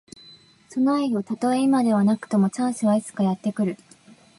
備えよ。たとえ今ではなくとも、チャンスはいつかやって来る。